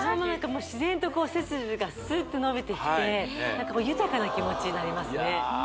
自然と背筋がスッとのびてきて豊かな気持ちになりますね